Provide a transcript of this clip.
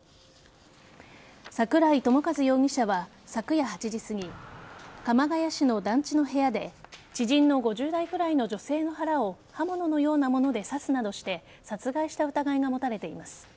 桜井朝和容疑者は昨夜８時すぎ鎌ケ谷市の団地の部屋で知人の５０代くらいの女性の腹を刃物のようなもので刺すなどして殺害した疑いが持たれています。